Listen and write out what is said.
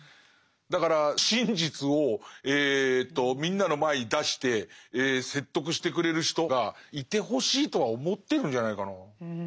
だから真実をみんなの前に出して説得してくれる人がいてほしいとは思ってるんじゃないかな。